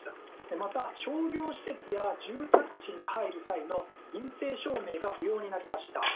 また商業施設や住宅地に入る際の陰性証明が不要になりました。